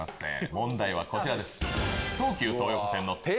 問題はこちらです。